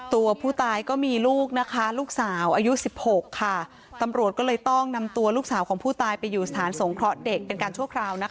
ตัวผู้ตายก็มีลูกนะคะลูกสาวอายุ๑๖ค่ะตำรวจก็เลยต้องนำตัวลูกสาวของผู้ตายไปอยู่สถานสงเคราะห์เด็กเป็นการชั่วคราวนะคะ